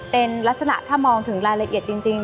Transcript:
เป็นลักษณะถ้ามองถึงรายละเอียดจริง